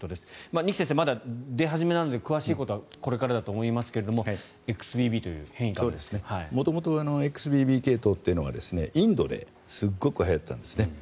二木先生、まだ出始めなので詳しいことはこれからだと思いますが元々ＸＢＢ系統というのがインドですごくはやったんですね。